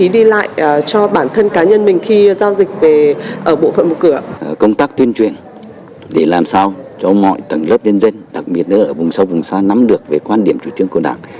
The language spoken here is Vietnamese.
để làm sao cho mọi tầng lớp dân dân đặc biệt ở vùng sâu vùng xa nắm được về quan điểm chủ trương của đảng